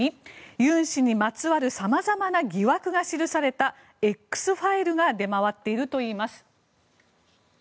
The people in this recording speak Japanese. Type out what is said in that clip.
ユン氏にまつわるさまざまな疑惑が記されたＸファイルが出回っているといいます。